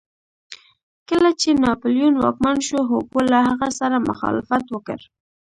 کله چې ناپلیون واکمن شو هوګو له هغه سره مخالفت وکړ.